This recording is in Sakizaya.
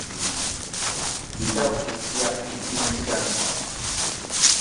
izaw ku ciyak i pinsiyang haw?